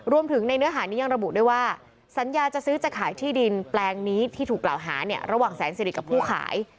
รวมถึงในเนื้อหานี้ยังระบุด้วยว่าสัญญาจะซื้อจะขายที่ดินแปลงนี้ที่ถูกกล่าวหาเนี่ยระหว่างแสนสิริกับผู้ขาย